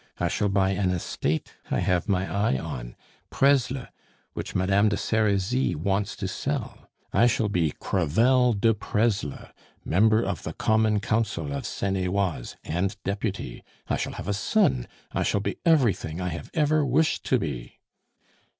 I shall buy an estate I have my eye on Presles, which Madame de Serizy wants to sell. I shall be Crevel de Presles, member of the Common Council of Seine et Oise, and Deputy. I shall have a son! I shall be everything I have ever wished to be.